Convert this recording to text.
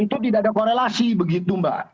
itu tidak ada korelasi begitu mbak